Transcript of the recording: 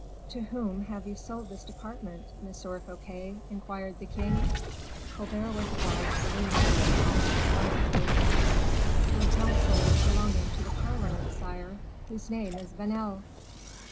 "To whom have you sold this department, Monsieur Fouquet?" inquired the king. Colbert was obliged to lean against a column of the fireplace. "To a councilor belonging to the parliament, sire, whose name is Vanel."